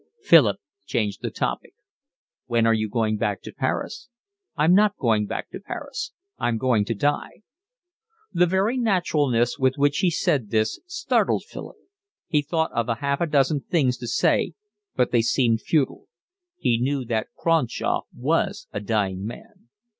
Philip changed the topic. "When are you going back to Paris?" "I'm not going back to Paris. I'm going to die." The very naturalness with which he said this startled Philip. He thought of half a dozen things to say, but they seemed futile. He knew that Cronshaw was a dying man.